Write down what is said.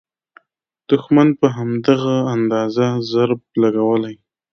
دوښمن په همدغه اندازه ضرب لګولی.